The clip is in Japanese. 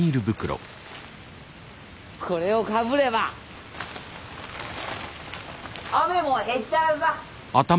これをかぶれば雨もへっちゃらさ！